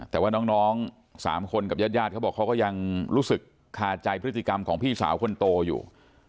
แต่ว่าน้อง๓คนกับญาติเขาบอกเขาก็ยังรู้สึกคาใจพฤติกรรมของพี่สาวคนโตอยู่